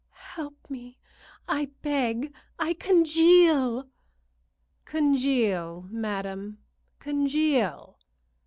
"Help me, I beg. I congeal!" "Congeal, madam, congeal!"